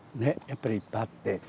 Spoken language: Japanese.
やっぱりいっぱいあって。